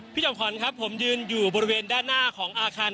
พี่หมอนขอนนะครับผมยืนอยู่บริเวณด้านหน้าของอาคาร